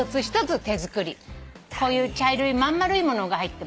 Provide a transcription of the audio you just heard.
こういう茶色いまん丸いものが入ってます。